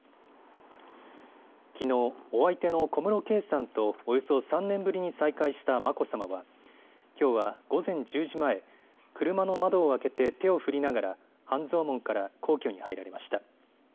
きのう、お相手の小室圭さんとおよそ３年ぶりに再会した眞子さまはきょうは午前１０時前、車の窓を開けて手を振りながら半蔵門から皇居に入られました。